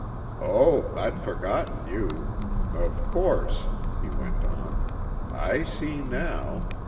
"Oh, I'd forgotten you. Of course," he went on. "I see now.